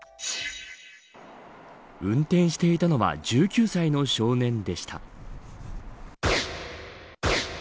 運転していたのは１９歳の少年でした。